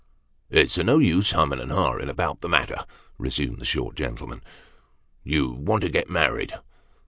" It's of no use humming and ha'ing about the matter," resumed the short gentleman. " You want to get married